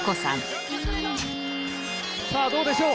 さあどうでしょう？